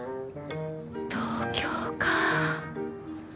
東京か。